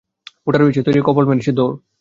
ফোঁটা রয়েছে তৈরি, কপাল মেরেছে দৌড়।